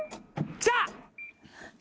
来た！